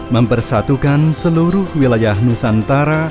mempersatukan seluruh wilayah nusantara